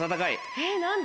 えっ何だ？